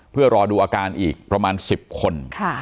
เพื่อรอดูอาการอีกประมาณ๑๐คน